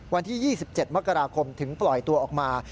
วันที่๒๗มกราคมถึงปล่อยตัวออกมา